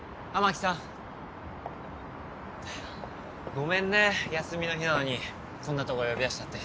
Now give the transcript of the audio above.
ごめんね休みの日なのにこんなとこ呼び出しちゃって。